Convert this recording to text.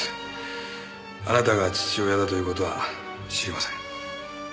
あなたが父親だという事は知りません。